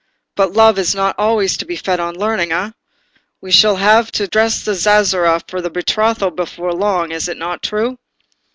But love is not always to be fed on learning, eh? I shall have to dress the zazzera for the betrothal before long—is it not true?"